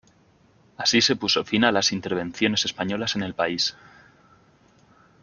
Así se puso fin a las intervenciones españolas en el país.